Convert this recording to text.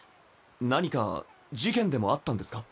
何か事件でもあったんですか？